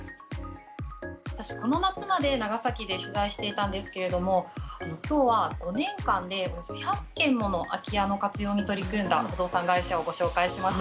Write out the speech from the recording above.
私この夏まで長崎で取材していたんですけれども今日は５年間でおよそ１００件もの空き家の活用に取り組んだ不動産会社をご紹介します。